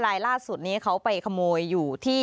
ลายล่าสุดนี้เขาไปขโมยอยู่ที่